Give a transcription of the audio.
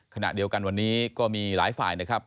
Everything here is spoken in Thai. ขณะเดียวกันวันนี้ก็มีหลายฝ่ายนะครับ